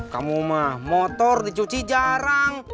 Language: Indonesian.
kamu mah motor dicuci jarang